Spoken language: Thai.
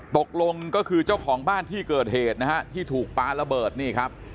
ตกลงก็คือเจ้าของบ้านที่เกิดเหตุนะฮะที่ถูกปลาระเบิดนี่ครับ